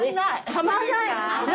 はまんない。